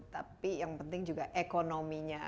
tapi yang penting juga ekonominya